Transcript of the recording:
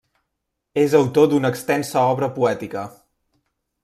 És autor d'una extensa obra poètica.